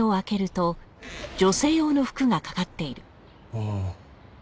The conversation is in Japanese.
ああ。